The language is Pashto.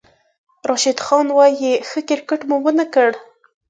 راشد خان وايي، "ښه کرېکټ مو ونه کړ"